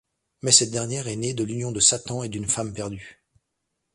Mais cette dernière est née de l'union de Satan et d'une femme perdue.